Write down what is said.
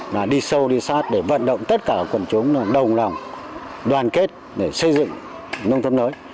là đi sâu đi sát để vận động tất cả quần chúng đồng lòng đoàn kết để xây dựng nông thôn mới